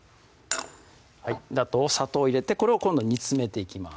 あと砂糖入れてこれを今度煮詰めていきます